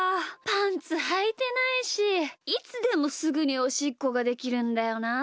パンツはいてないしいつでもすぐにおしっこができるんだよなあ。